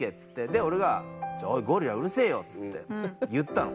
で俺が「おいゴリラうるせえよ」っつって言ったの。